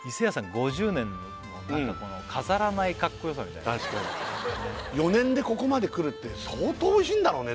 ５０年の飾らないかっこよさみたいな確かに４年でここまでくるって相当おいしいんだろうね